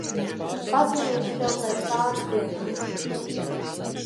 Pazvanīšu tev pēc pāris dienām.